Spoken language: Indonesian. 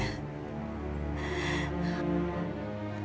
kak fani pasangnya